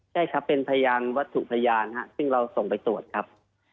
ใช่ครับเป็นพยานวัตถุพยานซึ่งเราส่งไปตรวจครับ